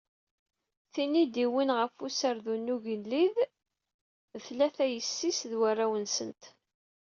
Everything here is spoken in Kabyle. Tin i d-yuwin ɣef userdun n ugellid d tlata yessi-s d warraw-nsent.